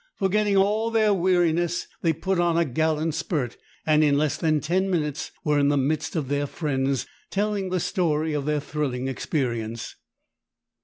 Forgetting all their weariness, they put on a gallant spurt, and in less than ten minutes were in the midst of their friends, telling the story of their thrilling experience.